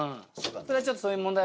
それはちょっとそういう問題